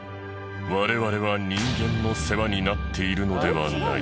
我々は人間の世話になっているのではない。